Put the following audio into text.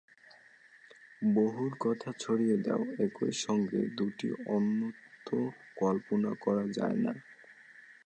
বহুর কথা ছাড়িয়া দাও, একই সঙ্গে দুইটি অনন্তও কল্পনা করা যায় না।